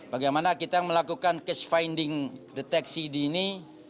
bagaimana kita melakukan case finding deteksi di ini